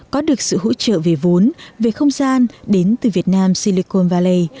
có được sự hỗ trợ về vốn về không gian đến từ việt nam silicon valley